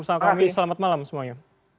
bersama kami selamat malam semuanya